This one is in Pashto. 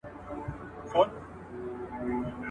دا علم پخوا د عمران په نوم و.